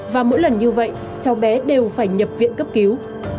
và mỗi lần như vậy cháu bé đều phải nhập viện cấp cứu